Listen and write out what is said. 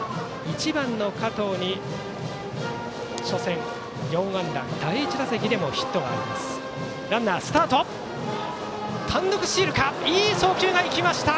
１番の加藤に初戦、４安打第１打席でもヒットがありました。